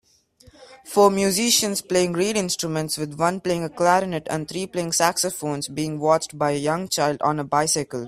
Four musicians playing reed instruments with one playing a clarinet and three playing saxophones being watched by a young child on a bicycle